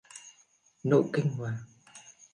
nỗi kinh hoàng